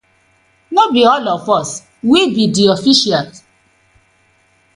No bi all of us, we bi di officials.